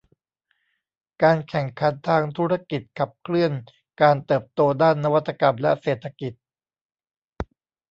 การแข่งขันทางธุรกิจขับเคลื่อนการเติบโตด้านนวัตกรรมและเศรษฐกิจ